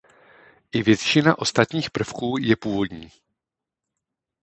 I většina ostatních prvků je původní.